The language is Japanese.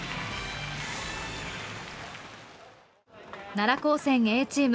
奈良高専Ａチーム